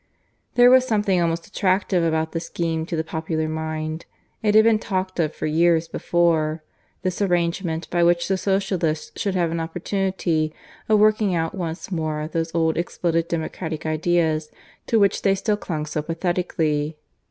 There was something almost attractive about the scheme to the popular mind. It had been talked of for years before this arrangement by which the Socialists should have an opportunity of working out once more those old exploded democratic ideas to which they still clung so pathetically.